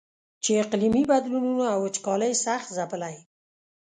چې اقلیمي بدلونونو او وچکالۍ سخت ځپلی.